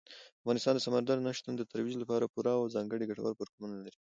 افغانستان د سمندر نه شتون د ترویج لپاره پوره او ځانګړي ګټور پروګرامونه لري.